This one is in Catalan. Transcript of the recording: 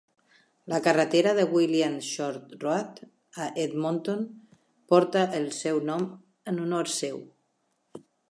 La carretera de William Short Road, a Edmonton, porta el seu nom en honor seu.